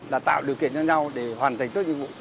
là tạo điều kiện cho nhau để hoàn thành tất nhiên vụ